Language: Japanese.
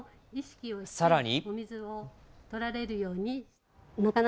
さらに。